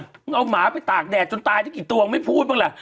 เอาหมาไปตากแดดจนตายได้กี่ตัวไม่พูดบ้างล่ะ